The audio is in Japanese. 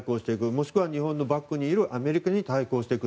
もしくは日本のバックにいるアメリカに対抗していく。